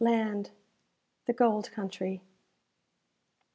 Land! The Gold Country.